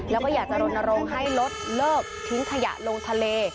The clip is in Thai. แล้วก็อยากจะรณรงค์ให้ลดเลิกทิ้งขยะลงทะเล